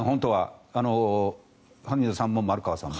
萩生田さんも丸川さんも。